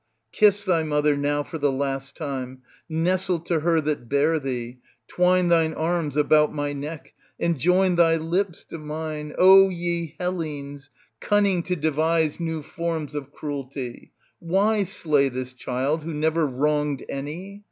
Kiss thy mother now for the last time, nestle to her that bare thee, twine thy arras about my neck and join thy lips to mine ! O ye Hellenes, cimning to devise new forms of cruelty, why slay this child who never wronged any